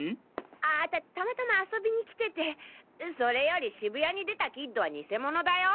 あぁたたまたま遊びに来ててそれより渋谷に出たキッドは偽物だよ！